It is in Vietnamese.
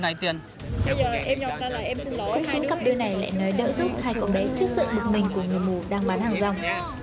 cũng chính cặp đôi này lại nói đỡ giúp hai cậu bé trước sự bụt mình của người mù đang bán hàng rồng